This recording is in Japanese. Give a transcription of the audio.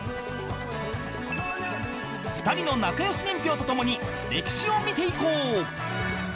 ２人の仲良し年表と共に歴史を見ていこう